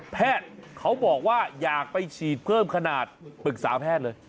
เขาบอกว่าอยากไปฉีดเพิ่มขนาดปรึกษาแพทย์เลย